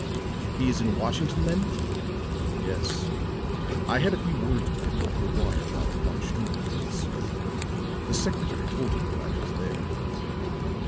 "He is in Washington, then?" "Yes; I had a few words with him over the wire while at Von Stunnenberg's. The secretary told him that I was there."